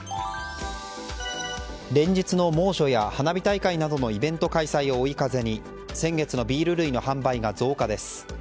連日の猛暑や花火大会などのイベント開催を追い風に先月のビール類の販売が増加です。